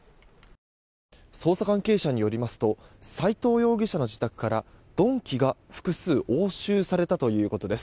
捜査関係者によりますと斎藤容疑者の自宅から鈍器が複数押収されたということです。